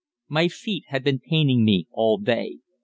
My feet had been paining me all day.